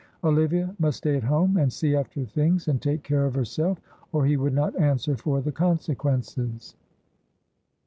Olivia must stay at home, and see after things and take care of herself, or he would not answer for the consequences.